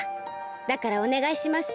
だからおねがいします。